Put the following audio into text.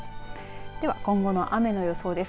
では、今後の雨の予想です。